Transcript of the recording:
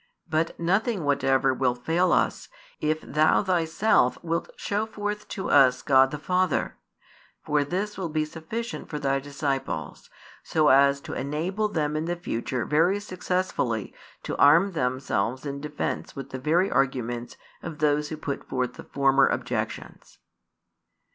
But nothing whatever will fail us, if Thou Thyself wilt show forth to us God the Father; for this will be sufficient for Thy disciples, so as to enable them in the future very successfully to arm themselves in defence with the very arguments of those who put forth the former objections."